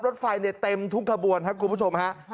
รถไฟเนี่ยเต็มทุกขบวนครับคุณผู้ชมฮะ